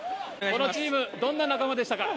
このチーム、どんな仲間でし